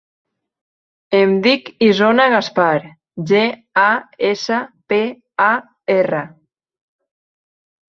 Em dic Isona Gaspar: ge, a, essa, pe, a, erra.